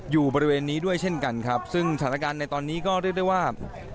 อยู่บริเวณนี้ด้วยเช่นกันครับซึ่งสถานการณ์ในตอนนี้ก็เรียกได้ว่า